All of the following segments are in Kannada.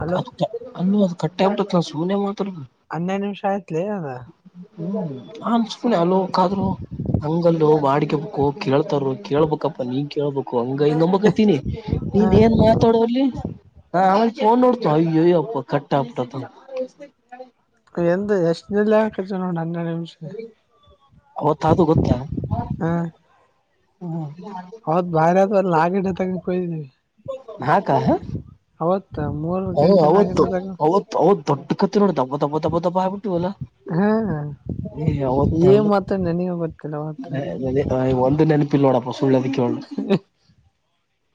ಹಲೋ ಕಟ್ಟಾ ಬಿಟ್ಟಾದ ಸುನೆ ಮಾಡ ಹನ್ನೆರಡು ನಿಮಿಷ ಆಯ್ತ್ಲಿ ಅದ. ಹ್ಮ್ಮ್ [unintelligible] ಹಂಗಲ್ಲು ಬಾಡಿಕಬು ಕೇಳ್ತಾರರು ಕೇಳ್ಬೇಕಪ್ಪಾ ನೀ ಕೇಳ್ಬೇಕು. ಕೊಂಗ ಹಂಗ ನಂಬಕತೀನಿ ನೀನ್ ಹ ಏನ್ ಮಾತಾಡೋರ್ಲಿ. ಹಾ ಆಮ ಫೋನ್ ನೋಡ್ತ ಅಯ್ಯ ಅಯ್ಯಪ್ಪ ಕಟ್ಟತ. ಎಂದು ಎಷ್ಟ್ ಅವತ್ ಅದು ಗೊತ್ತಾ [unintelligible] ಹಾ ಹ್ಮ ಹೌದ ಭಾರಿ ಆತ ಲಾಗೆ [unintelligible] ಹಾ ಕ. ಮೂರ್ ಹ ಗಂಟೆ ನಾಲ್ಕು ಅವತ್ತು ಗಂಟೆ ತಕ ಅವತ್ ಅವತ್ ದೊಡ್ಡ ಕತ್ತ ನೋಡಬ್ಬ ತಬ್ಬ ದಬ್ಬ ದಬ್ಬ ಆಗ್ಬಿಟ್ಟವಲ್ಲಾ. ಹಾ ಅವತ್ತ ಏನ್ ಮಾತ ನನಗ ಗೊತ್ತಿಲ್ಲ ಅವತ್ತು ಒಂದು ನೆನಪ ಪಿಲ್ಲೋಡಪ್ಪ ಸುಳ್ಳದಕ್ಕೆ ಹೇಳ್ಬೇಕು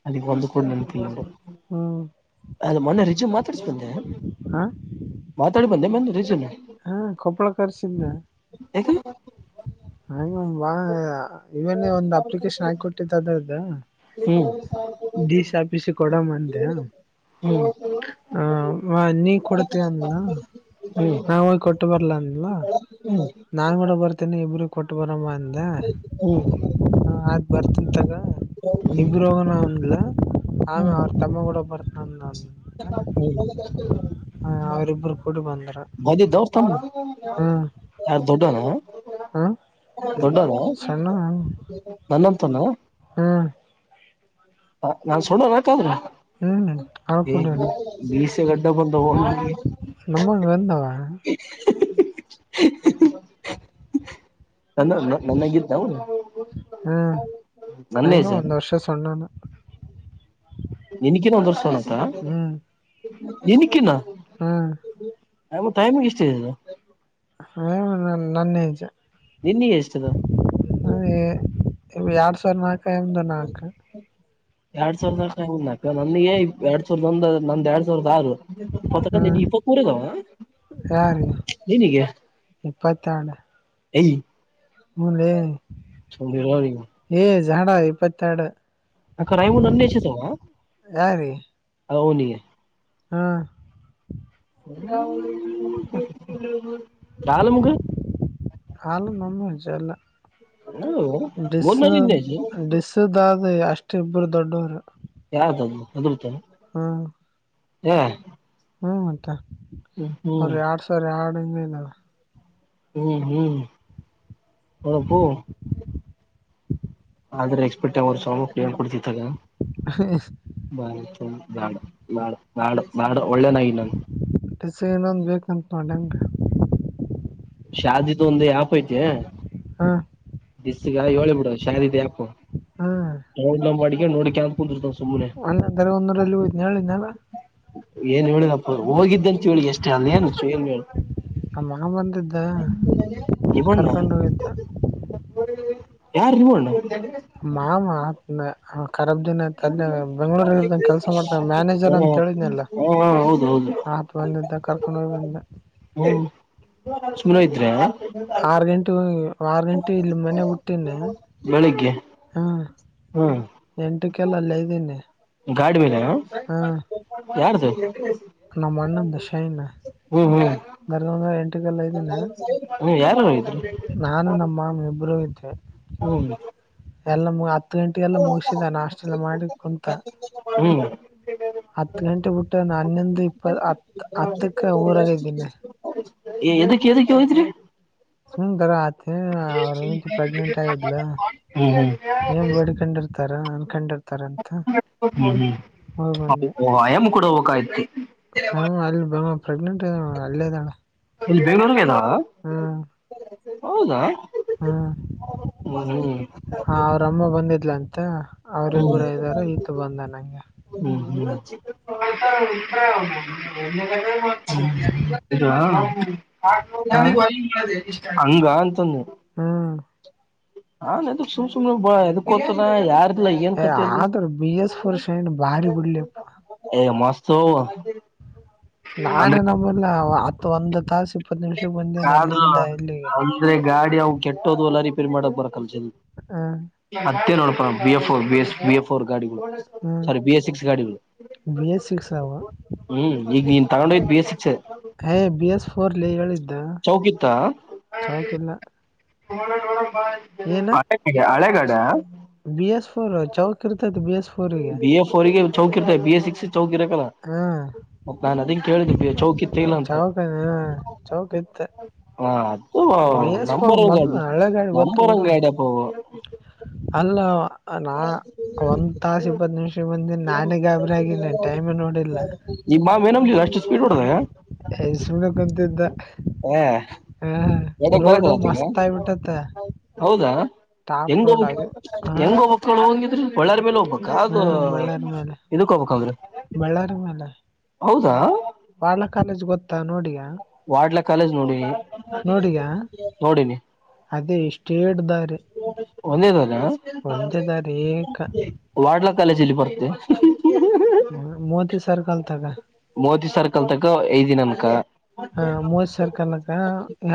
ಅದಕ್ಕೆ ಒಂದು ಕೂಡ ನೆನಪಿಲ್ಲ. ಹ್ಮ್ ಅದು ಮೊನ್ನೆ ರಿಜ್ಯೂ ಮಾತಾಡ್ಸ ಬಂದೆ ಹ ಮಾತಾಡಿ ಬಂದೆ ಮನ್ನೆ ರಿಜ್ಯೂ ನ. ಹಾ ಕೊಪ್ಪಳ ಕರ್ಸಿದ್ದ. ಹ ಹಾ ಇವನ್ನೇ ಒಂದು ಅಪ್ಲಿಕೇಶನ್ ಹಾಕಿ ಕೊಟ್ಟಿದ್ದ ಅದ್ರದ್ದ. ಹ್ಮ್ ಡಿಸಿ ಆಫೀಸಗೆ ಕೊಡಮ್ಮಂದೆ. ಹ್ಮ್ ಹ ನೀ ಕೊಡ್ತೀಯಾ ಅಂದ್ಲು ಹ್ಮ್ ನಾವ ಹೋಗಿ ಕೊಟ್ಟು ಬರ್ಲ ಅಂ ನಾನ್ ಹ್ಮ್ ಮಾಡಡ ಬರ್ತೇನೆ ಇಬ್ರ ಕೊಟ್ಟು ಬರಮ್ಮ ಹ್ಮ್ ಆದ ಬರ್ತನ್ ತಗ ಹ್ಮ್ ಇಬರು ಹೋಗೋಣ ಅಂದ್ಲು. ಆಮೇ ಹ್ಮ್ ಅವ್ರ ತಮ್ಮ ಕೂಡ ಬರ್ತನಂದ ಅಂತ. ಹ್ಮ್ [unintelligible] ಹ ಅವ್ರಿಬ್ಬರು ಕೂಡಿ ಬಂದ್ರು. ಬಂದಿದ್ದೋ ತಮ್ಮ ಯಾರು ದೊಡ್ಡನಾ. ಹ ದೊಡ್ಡನ ಸಣ್ಣ ನನ್ನ ಹ್ಮ್ ಹ ನಾನ್ [unintelligible] ಹ್ಮ್ ಅವ ಹೆ ಕೂಡ ಮೀಸೆ ಗಡ್ಡ ಬಂದವ ನಿನಗೆ. ನಮ್ಮಾಂಗ್ ಬಂದಾವ. [inaudible] ನನ್ನ ನನ್ನಗಿದ್ದ ಅವನು ಹ್ಮ್ ನನ್ನ ನಂಗೆ ಏಜ. ಒಂದ್ ವರ್ಷ ಸಣ್ಣನು ನಿನಕಿನ ಒಂದ್ ವರ್ಷೋಣಂತ ನಿನಕಿನ. ಹ್ಮ್ ಹೌದು ಟೈಮಿಗೆ ಇಷ್ಟ ಇದ. ಹ ನನ್ನೆಜ ನಿನ್ನಾಗ್ ಎಷ್ಟು [unintelligible] ಎರಡ್ ಸಾವಿರ ನಾ [unintelligible] ಎರಡ್ ಸಾವಿರ [unintelligible] ನನಗೆ ಎರಡ್ ಸಾವಿರದ ಒಂದ ನಂದ್ ಎರಡ್ ಸಾವಿರದ ಆರು ಇಪ್ಪತ್ತಕ್ಕ ನಿನ್ ಇಪ್ಪತ್ ಮೂರ ಇಲವ. ಯಾರ ಇಪ್ಪತ್ತ ಎರಡು. ಎ ಹ್ಮ ಎಲೆ ಏ ಜಝಾಡಾ ಇಪ್ಪತ್ತೆರಡು [unintelligible] ಹಾ ಕಾಲ [unintelligible] ಅವನು ನಮ್ಮ ಏಜ ಎಲ್ಲ ಡಿಸ್ ಮೂರ್ನಲ್ಲಿ ಇದ್ನೇಜು ಡಿಸದಾದ ಅಷ್ಟ ಇಬ್ಬರು ದೊಡ್ಡವರು ಯಾರ್ದ ಅದು [unintelligible] ಹೆ ಹಾ ಮತ್ತೆ ಅವರು ಎರಡು ಸಾವಿರ ಎರಡು ಇನ್ನೇನು ಹ್ಮ್ ಹ್ಮ್ ನೋಡಪ್ಪೋ ಆದ್ರೆ ಎಕ್ಸ್ಪೆಕ್ಟ್ ಅವರು ಸವಲ್ ಏನ್ ಕೊಡ್ತಿ ಬ್ಯಾಡ್ ಬ್ಯಾಡ್ ಬ್ಯಾಡೋ ಸ ಇನ್ನೊಂದ್ ಬೇಕಂತ ಮಾಡ್ಯಾನ್ ಶಾದಿ ತು ಒಂದ ಅಪ್ ಐತೆ ಹ್ಮ ದಿಸ್ಗ ಹೇಳಿ ಬಿಡು ಶಾರೀದಿ ಆ್ಯಪ್ ಹ್ಮ್ ಡೌನ್ಲೋಡ್ ಮಾಡಿ ನೋಡಿಕ ಅಂತ ಕುಂದ್ರುತಾನ ಸುಮ್ಮನೆ ಅಣ್ಣ ದರಗಂದೂರಲ್ಲಿ ಹೋಯ್ತನ ಹೇಳಿದ್ನಲ್ಲ ಏನ್ ಹೇಳಿದಪ್ಪ ಹೋಗಿದ್ದಂತ ಹೇಳ್ ಎಷ್ಟು [unintelligible] ನ ಮಾ ಬಂದಿದ್ದ ಇವಣ್ಣ ಕರ್ಕೊಂಡು ಹೋಗಕ್ಕೆ ಯಾರ ನಿಮ್ಮಣ್ಣ ಮಾಮ ಹತ್ ರಾಬ್ದಿನ ಅಂತ ಅಲ್ಲೆ ಬೆಂಗಳೂರ್ ಇರ್ತಂಗ ಕೆಲಸ ಮಾಡ್ತಂಗ ಮ್ಯಾನೇಜರ್ ಹ್ಮ ಅಂತ ಹೇಳಿದ್ನಲ್ಲ ಹ್ಮ ಹೌದು ಹೌದು ಹಾತ ಬಂದಿದ್ದ ಕಾರ್ಖೊಂಡು ಬಂದಿಂದ ಹ ಸುನ ಇದ್ರೆ [inaudible] ಆರ್ ಗಂಟೆ ಆರ್ ಗಂಟೆ ಇಲ್ಲಿ ಮನೆ ಹುಟ್ಟಿನ ಬೆಳಿಗ್ಗೆ ಹಾ ಹ್ಮ್ ಎಂಟಕ್ಕೆಲ್ಲ ಅಲ್ಲೇ ಇದ್ದೀನಿ ಗಾಡಿ ಇದೇನೋ, ಹಾ ಯಾರ್ದದು ನಮ್ಮ ಅಣ್ಣ ದೂ ಸೈನು ಹ್ಮ್ ಹ್ಮ್ ಬೆರ್ಗೋಣ ಲ್ಲ ಇದನ ಹ್ಮ ಯಾರು ಹೋಗಿದ್ರು ನಾನು ನಮ್ಮ ಮಾಮ ಇಬರುೂ ಓಯ್ತೀವಿ ಹೌದು ಎಲ್ಲ ಮು ಹತ್ ಗಂಟೆಗೆಲ್ಲ ಮುಗಸಿದ ನಾಷ್ಟೆಲ್ಲ ಮಾಡಿ ಕುಂತ ಹ್ಮ್ ಹತ್ ಗಂಟೆ ಬಿಟ್ಟ ನಾನು ಹನ್ನೊಂದು ಇಪ್ಪ ಹತ್ ಹತ್ತಕ್ಕ ಊರಾಗ ಇದ್ದೀನಿ ಎದಕ್ಕೆ ಎದಕ್ಕೆ ಹೋಗಿದ್ರಿ ಹೂ ಕಲಾ ಅದಕ್ಕೆ ಅವರೇ ಹೆಂಡತಿ ಪ್ರೆಗ್ನೆಂಟ್ ಆಗಿದ್ಲ ಹ್ಮ್ ಏನ್ ಬೇಡ್ಕೊಂಡಿರ್ತಾರ ಅನ್ಕಂಡಿರ್ ಹ್ಮ ಹೋಗಿ ಹ್ಮಯಾಮ ಕೂಡ ಹಯತಿ [inaudible] ಹ ಅಲ್ಲಿ ಪ್ರೆಗ್ನೆಂಟ್ ಇದ ಅಲ್ಲ ಇದಾನೆ ಇಲ್ಲಿ ಬೆಂಗಳೂರ್ಲ್ಲದಾವ [inaudible] ಹ್ಮ ಹೌದಾ ಹ್ಮ್ ಹ್ಮ್ ಹ್ಮ್ ಹ ಅವರಮ್ಮ ಬಂದಿದ್ಲ ಅಂತ ಮತ್ತ ಹ್ಮ್ ಅವರಿಬ್ಬರ ಇದ್ದಾರ ಈತ್ತು ಬಂದ ನಂಗೆ [inaudible] ಹಾಂ ಹಂಗ ಅಂತಂದು [inaudible] ಹ್ಞೂ ಹಾದು ಸುಮ್ ಸುಮ್ನೆ ಎದಕ್ತರ ಯಾರ ಏನ್ ಏ ಕಥೆಯಲ್ಲಿ [inaudible] ಆದ್ರ ಬಿ ಎಸ್ ಎಲ್ಲಾ ಫೋರ್ ಶೈನ್ ಬಾರಿ ಬಿಡ್ಲಿಪ್ಪ ಅಮಾವಾಸ್ಯೆ ಶೋಭಾ ನಾನೇ ನೊಮ್ಮಲ್ಲ ಹತ್ತು ಒಂದ ಕಾಸು ಕ್ರ ಅಂದ್ರೆ ಗಾಡಿ ಅವ ಕೆಟ್ಟೋದ್ವಲ್ಲರಿೀ [inaudible] ಸರಿ ಮಾಡಕ್ಕೆ ಬರ ಹ ಅದೇ ನೋಡಪ ಬಿಫ್ ಸ್ಫ್ ರ್ ಗಾಡಿ ಹ್ಮ್ ಸಾರಿ ಬಿ ಎ ಸಿಕ್ಸ್ ಗಾಡಿಗಳುಗಳು ಬಿ ಎಸ್ ಸಿಕ್ಸ್ ಅವ ಹ್ಮ್ ಈಗ ತಕೊಂಡು ಹೋಗಿದ್ದು ಬಿ ಎಸ್ ಸಿ ಹೇ ಬಿ ಎಸ್ ಫೋರ್ಲಿ ಹೇಳಿದ್ದು ಚೌಕಿತ್ತಾ ಏನ ಹಳಗಡೆ ಹಳೆಗಡೆ [inaudible] ಬಿ ಎಸ್ ಫೋರ್ ಚೌಕ ಇರ್ತೈತಿ ಬಿ ಎಸ್ ಫೋರ್ಗೆ ಚೌಕಿರ್ತೆ ಬಿ ಎ ಸಿಕ್ ಸಿ ಚೌಕಿರಲ್ಲ ಹಾ ನಾನ್ ಅದನ್ ಕೇಳಿದ ಭ ಚೌಕತ್ ತಲ್ಲ ಅಂತ ಚೌಕ ಹ ಚೌಕ್ ಇತ್ತ ಹಾ ಹ ಬಿ ಎಸ್ ಫೋರ್ ನಂಬರ ಗ ಮೊದ್ಲು ಹಳೆ ಗಾಡಿ ಗೊತ್ತು ನಂಬರ ಬಿಡು ಗಡಾವ ಅಲ್ಲ ನಾ ಹ [inaudible] ಒಂದ್ ತಾಸ ಇಪ್ಪತ್ ನಿಮಿಷ ಬಂದಿನ್ ನಾನೇ ಗಾಬರಿ ಆಗಿನಿ ಟೈಮೇ ನೋಡಿಲ್ಲ ಈಗ ಬಾಬೇ ನಮ್ದ ಅಷ್ಟ ಸ್ಪೀಡ್ ಹೊಡದ ಹೇ ಸುಮ್ನೆ ಕುಂತಿದ್ದ ಒಡಕ್ ರೋಡ್ ಬರಕಲ್ಲತ್ತಗ ಮಸ್ತ್ ಆಗ್ಬಿಟ್ಟತ್ತ ಹೌದಾ. ಟಾಪ್ ಹೆಂಗ ರೋಡ್ ಹೋಬಕ್ ಆಗಿ ಹ ಹೆಂಗ ಹೋಬಕ್ ಹೋಗಂಗ ಇದರ ಬಳ್ಳಾರಿ ಮೇಲೆ ಹೋಗ್ಬೇಕ ಹ ಅದು ಬಳ್ಳಾರಿ ಮೇಲೆ ಇದಕ ಹ ಕೆ [inaudible] ಬಳ್ಳಾರಿ ಮೇಲೆ ಹೌದಾ ಬಾಳ ಕಾಲೇಜ್ ಗೊತ್ತಾ ನೋಡಿ ವಾಡ್ಲ ಕಾಲೇಜ್ ನೋಡಿನಿ ನೋಡಿಯಾ ನೋಡಿನಿ ಕೆವಿಟ್ ದಾರೆ ಒಂದೇದ ಅಲ್ಲ ಏಕ ವಾಡ್ಲ ಕಾಲೇಜಲ್ಲಿ ಬರ್ತೆೆ ಮೋತೈದು ಸಾವಿರಕಂತ ಮೋದಿ ಸರ್ಕಲ್ ತಕ ಐಜಿ ನಮ್ಮ ಕಲ ಹಾ ಮೂವತ್ ಸರ್ ಕನಕ್ಕ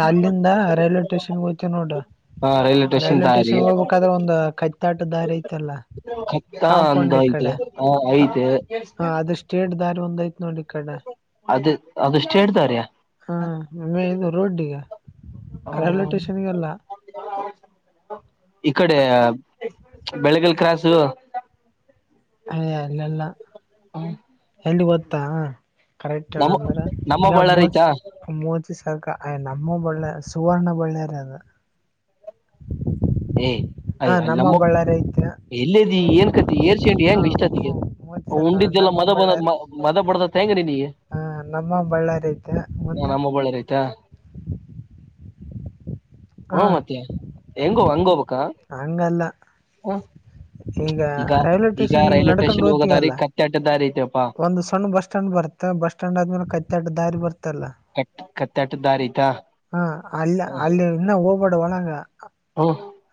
ಅಲ್ಲಿಂದ ರೈಲ್ವೆ ಸ್ಟೇಷನ್ಗೆ ಹೋಗ್ತೇ ನೋಡ್ರ ಹಾ ರೈಲ್ ರೈಲ್ವೆ ಸ್ಟೇಷನ್ ಹೋಗ್ಬೇಕಾದ್ರೆ ಒಂದು ಕೈತಾಟ ದಾರಿ ಐತಲ್ಲಾ ಕತ್ತ ಅಂದ ಕಾಂಪೌಂಡ್ ಈ ಐತೆ ಕಡೆ ಹ ಐತೆ ಅದ ಸ್ಟೇಟ್ ದಾರಿ ಒಂದು ನೋಡ ಇ ಕಡೆ ಅದ ಸ್ಟೇಟ್ ದಾರಿಯ ಹಾ ಒಮ್ಮೆ ಇದು ರೋಡ್ಡಿಗ ಹ ಇಕಡೆ ಬೆಳಗಲ್ ಕ್ರಾಸು ಹೇ ಅಲ್ಲಲ್ಲ ಹ್ಮ ಎಲ್ಲಿ ಗೊತ್ತಾ ಕರೆಕ್ಟ್ ಹೇಳ್ ಅಂದ್ರ ನಮ್ಮ ಈಗ ಬಳ್ಳಾರಿ ಮೋಜಿ ಐತಾ ಮೋಜಿ ಸಾಕ ಅಯ್ ನಮ್ಮ ಬಳ್ಳ ಸುವರ್ಣ ಬಳ್ಳಾರಿ ಅದು ಏಯ್ ಅಯ ಅಲ್ಲಿ ನಮ್ಮ ಅಪ್ಪ ಬಳ್ಳಾರಿ ಐತೆ ಎಲ್ಲೇದಿ ಏನ್ಕತಿ ಏರ್ಸಂಡಿ ಹ ಹೆಂಗ ಇಷ್ಟತಿಗೆ ಮೋದಿ ಸರ್ಕಾರ ಉಂಡಿದ್ದೆಲ್ಲ ನಮ್ಮ ಮದ ಬ ಮದ ಬಡದತಿ ಈಗ ನಿನಿಗೆ ಹಾ ನಮ್ಮ ಬಳ್ಳಾರಿ ಐತಿ ಮುಂದ ನಮ್ಮ ಬಳ್ಳಿ ರೈತ ಹ ಮತ್ತೆ ಎನ್ ಹಂಗಲ್ಲ ಹ ಈಗ ರೈಲ್ವೆ ಈಗ ಸ್ಟೇಷನ್ ರೈಲ್ವೆ ನಡ್ಕೊಂಡು ಸ್ಟೇಷನ್ ಹೋಗೋ ದಾರಿ ಹೊಯತಿಲ್ಲ ಕತ್ತೆಟ್ಟ ದಾರಿ ಐತೆಪ್ಪಾ ಒಂದು ಸಣ್ಣ ಬಸ್ ಸ್ಟ್ಯಾಂಡ್ ಬರುತ್ತೆ ಬಸ್ ಸ್ಟ್ಯಾಂಡ್ ಆದ್ಮೇಲೆ ಕೈತ್ತಟ್ಟ ದಾರಿ ಬರುತ್ತೆ ಲ್ಲ ಕಟ್ ಕತ್ತೆಟ್ಟ ದಾರಿ ಐತಾ ಹ ಅಲ್ಲಿ ಅಲ್ಲಿ ಇನ್ನ ಹೋಗಬಡ ಒಳಂಗ ಹ್ಮ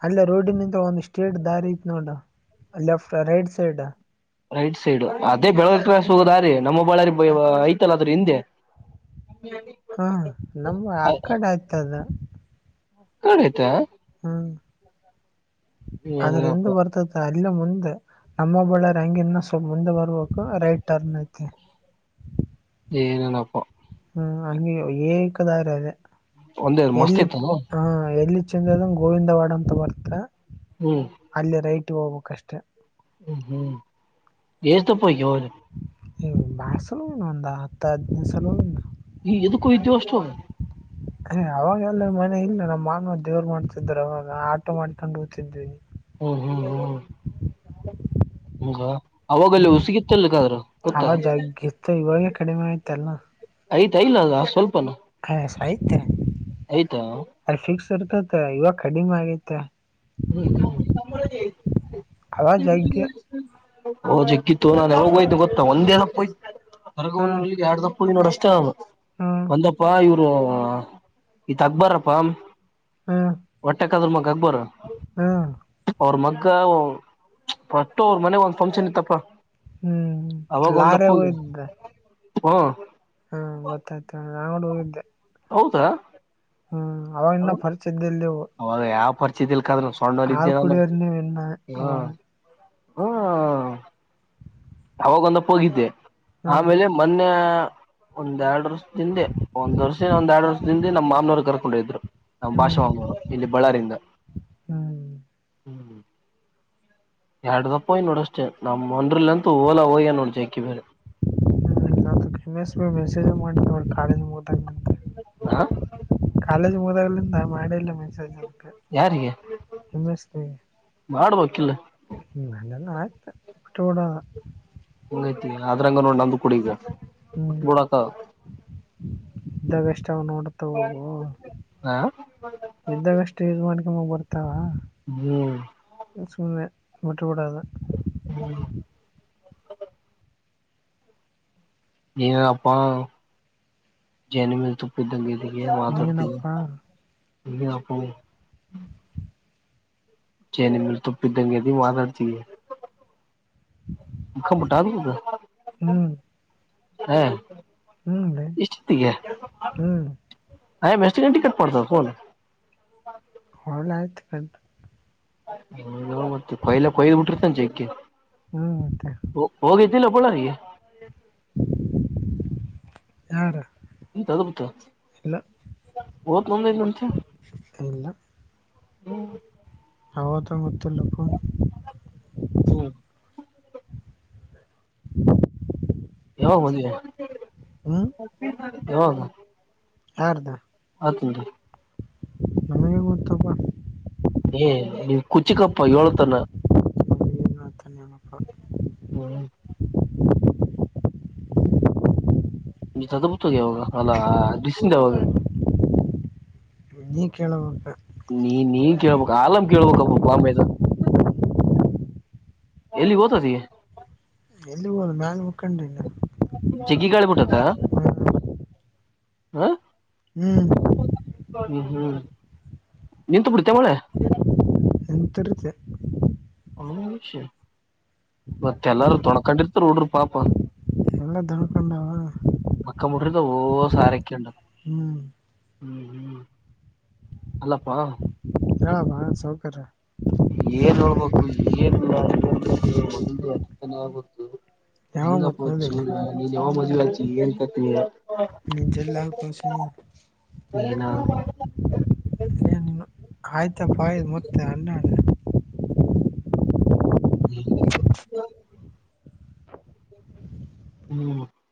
ಅಲ್ಲ ರೋಡ್ ನಿಂದ ಒಂದ್ ಸ್ಟ್ರೇಟ್ ದಾರಿ ಐತ್ ನೋಡ left right side right side ಅದೇ ಬೆಳಗಲಿ ಕ್ರಾಸ್ ಹೋಗೋದ ದಾರೀ ನಮ್ಮಬ್ಬಳ್ಳಾರಿ ಐತಲ್ಲ ಅದರ ಹಿಂದೆ ಹಾ ನಮ್ಮ ಆ ಕಡೆ ಆಯ್ತದ ಆ ಕಡೆ ಆಯ್ತ ಅದರ ಹಿಂದ್ ಏನಪ್ಪ ದ ಬರ್ತದ ಅ ಇನ್ನ ಮುಂದೆ ನಮ್ಮ ಬಳ್ಳಾರಿ ಹಂಗ ಇನ್ ಸ್ವಲ್ಪ ಮುಂದೆ ಬರ್ಬೇಕು ರೈಟ್ ಟರ್ನ್ ಐತಿ [inaudible] ಏ ನನಪ್ಪ ಹ ಹಂಗೆ ಏಕದಾರ ಅದೆ ಒಂದೇ ಮಸ್ತ್ ಎಲ್ಲಿ ಇತ್ತ ಹ್ಮ್ ಹ ಎಲ್ಲಿ ಚಂದದಂಗ ಗೋವಿಂದವಾಡ ಅಂತ ಬರ್ತ ಅಲ್ಲಿ ರೈಟಗೆ ಹೋಗ್ಬೇಕ್ ಅಷ್ಟೆ. ಹ್ಮ ಹ್ಮ್ ಎಷ್ಟತಪಯಗ ಅವದು ಬಸಲನು ಒಂದು ಹತ್ತು ಹದಿನೈದು ಸಲ ಹೋಗಿನಿ ಹ ಇದು ಕವಿ ಜೋಷ್ಟ ಅವಾಗ ಎಲ್ಲ ಮನೆ ಇಲ್ಲ ನಮ್ಮ್ ಮಾನವ ದೇವರು ಮಾಡ್ತಿದ್ರು ಅವಾಗ ಆಟೋ ಮಾಡ್ಕೊಂಡು ಹೋತಿದ್ವಿ. ಹ್ಮ್ ಹ್ಮ್ ಹ್ಮ್ ಹಂಗ ಹೌದಾ ಅಲ್ಲೇ ಹ್ಮ್ ಉಸಿಗಿತ್ತಲ್ಲಕ್ಕಾದ್ರ ಗೊತ್ತಾ ಅವಾಗ ಜಗ್ಗ ಇತ್ತು ಇವಾಗೆ ಕಡಿಮೆ ಆಯ್ತಲ್ಲ ಆಯ್ತಾ ಇಲ್ಲ ಅ ಸ್ವಲ್ಪನು ಹಾ ಸಹಿತ್ಯ ಐತ ಇರ್ತತೆ ಇವಾಗ ಕಡಿಮೆ ಆಗೈತ್ತ ಹ್ಮ ಹಾ ಅವಾಗ ಜಗ್ಗಿ [unintelligible] ಓಕ್ಕಿತ್ತು ನಾನ ಯಾವಾಗ ಹೋಯ್ತು ಗೊತ್ತ ಹ್ಮ್ ಒಂದೇಏನಪ್ಪಯರಗಲ್ಲಿ ಎರಡ್ ದಪ್ಪ ಹೋ್ ನೋ ಅಷ್ಟೇ ಅವು ಹ್ಮ್ ಒಂದಪ್ಪಾ ಇವ್ರು ಈತ್ ಅಕ್ಬಾರಪ್ಪಾ ಒಟ್ಟೆಕದ್ರ ಮಗ ಹಕ್ಬರ ಹ್ಮ ಅವ್ರ ಮಗ್ಗ ಒಟ್ಟು ಅವ್ರ ಮನೆಗ್ ಒಂದ್ ಫಂಕ್ಷನ್ ಇತ್ತಪ್ಪ ಹ್ಮ್ ಲಾರೆಗ ಹೋಗಿದ್ದೆ ಹಾ ಹಾ ಗೊತ್ತಾಯ್ತ ನಾ ಹೋಗಿದ್ದೆ ಹೌದ ಹ್ಮ್ ಅವಾಗ ಇನ್ನ ಪರಿಚಯ ಇದ್ದಿಲ್ಲೆವು ಯಾದ್ರ ಸಣ್ಣಲ್ಲಿ ಇದಿದ್ದೆ ಹಾಲ್ ನಾನು ಕುಡಿಯೋರ್ ನೀವ್ ಇನ್ನ ಹ ಅವಾಗ ಹ್ಮ ಅವಾಗ ಒಂದಪ್ಪ ಹೋಗಿದ್ದೆ ಹ್ಮ್ ಆಮೇಲೆ ಮೊನ್ನೆ ಒಂದ ಎರಡುರ್ಷ ದಿಂದೆ ಒಂದ್ ವರ್ಷ ಒಂದ್ ಎರಡ್ ವರ್ಷ ದಿಂದೆ ನಮ್ಮ ಮಾಮನವರು ಕರ್ಕೊಂಡ ಇದ್ರು ನಮ್ಮ್ ಹ್ಮ್ ಭಾಷವಂಗರು ಇಲ್ಲಿ ಬಳ್ಳಾರಂದ ಹ್ಮ್ ಹ್ಮ್ ಹ್ಮ ಎರ ದಪ್ಪ ಹಯ್ ನೋಡ ಅಷ್ಟೇ ನಮ್ ಒನ್ಲ್ ಅಂತೂ ಓಲಾ ಹಯ್ಯ ನೋಡ್ ಜಕ್ಕಿ ಬೇರೆ ಹ್ಮ ನ ಮೆಸೇಜ್ ಮಾಡ ಕಾಲಜ ಹಾ ಕಾಲೇಜ್ ಮಾಡಿಲ್ಲ ಮೆಸೇಜ್ ಅದಕ್ಕೆ ಯಾರಿಗೆ ಹೆಮ್ಮಸ್ತ ಮಾಡ್ಬೇಕಿಲ್ಲ ಬಿಟ್ಟ ಬಿಡದ ಹಂಗಐತಿ ಅದ್ರಂಗ ನೋಂದ ಹ್ಮ್ ಕುಡಗಡಕ ಇದ್ದಾಗಷ್ಟ ಅವ ನೋಡ್ತ ಹವೋ ಹ ಇದ್ದಾಗಷ್ಟು ಯಸ್ ಮಾಡ್ಕ ಬರ್ತಾವ ಹ್ಮ ಬಿಟ್ಟಬೂಡದು ಹ್ಮ್ ನಿ ಜನಮ ತುಪ್ಪ ಇ್ದಗೆ ಅ ಮಾತಾಡ್ತ ನೀನಪ್ಪಾ ನೀ ಅಪ್ಪ ಜೇನಿ ಮರು ತುಪ್ಪಿ ದಗೆೆತಿ ಮಾದಡ್ತಿ ಮುಖ ಮಟಾ ಹ ಹ್ಮ್ಲ ಹ್ಮ್ ಅಯ್ ಮಸ್ಟಿ ಟಿಕಟ್ ಪಡ್ತ ಕನ್ ಹಳ್ಳ ಆಯ್ತು ಕಂಡು ಹ ಮತ್ತೆ ಕೊಯ್ಲ ಕೊಯ್ ಬಿಟ್ಟಿರ್ತ ಅ ಚಕ್ಕೆ ಹ್ಮ ಮತ್ತೆ [unintelligible] ಆ ಎಂತ ಮತ್ತ ನಂದ ನಂತ ಇಲ್ಲ ಹ್ಮ ಹೌದ ಮತ್ತೆ ಲಕ್ಕ ಹ್ಮ್ ಹೌದಾ ಹದ ಹ ತಿ ರ [unintelligible] ನಮಗೆ ಗೊತ್ತಪ್ಪ ಏ ನಿನ್ ಕುಚಿಕಪ್ಪ ಏಳ್ತನ ಧನ್ಯವ ಹ್ಮ್ ತದಪುತ್ತೋಗ ಯಾವಾಗ ಅಲ್ಲಾ ದದುಸ್ಯಿಂದ ಯಾವಾಗ ನೀ ಕೇಳಬೇಕ ನೀ ನೀನ್ ಕೇಳ್ಬೇಕ ಆಲಮ ಕೇಳ್ಬೇಕಪ್ಪ ಬಾಮದ ಎಲಿ ವತತಿ ಎಲ್ಲಿ ಹೋ ಮ್ಯಲೆ ಮುಕ್ಕೊಂಡ ಜಿಗ್ಗಿಗಾಳಿಬುಟ್ಟತ್ತ ಹ ಹ್ಮ್ ಹ್ಮ ಹ್ಮ್ ನಿಂತು ಬಿಡ್ತೇ ಮಳೆ ಎಂತರಿತ ವಿಷ ಮತ್ತೆಲ್ಲಾರೂ ತೊಣಕೊಂಡಿರ್ತಾರ ನೋಡ್ರರು ಪಾಪ ಎಲ್ಲ ದಳ್ಕೊಂಡಾವ ಮಕ್ಕ ಮುಟ್ರಿದ ಓ ಸಾರ ಉ ಹ್ಮ್ ಹ್ಮ್ ಹ್ಮ್ ಅಲ್ಲಪ್ಪಾ ಯಾ ಸೌಕರ ಏನ್ ಹೋಳ್ಬೇಕು ಏನ್ ಒಂದು ಹತ್ತುತನ ಆಗು ಯಾವ ಹೆಂಗ ಮತ್ ಪಚ ಮದುವೆ ನೀ ಜಾವ ಮಸಲ್ಲಾಚ ಏನ್ ಕತ್ನ ನಿಚಲ್ಲಾಗಸ ಏನ [inaudible] ಆಯ್ತಪ್ಪಾಯು ಮತ್ತೆ ಅನ್ನ ಹ್ಮ್